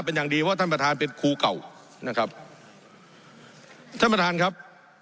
เป็นอย่างดีเพราะท่านประธานเป็นครูเก่านะครับท่านประธานครับ